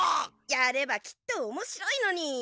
やればきっとおもしろいのに。